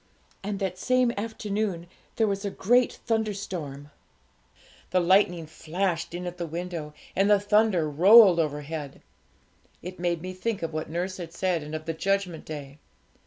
And that same afternoon there was a great thunderstorm; the lightning flashed in at the window, and the thunder rolled overhead. It made me think of what nurse had said, and of the Judgment Day.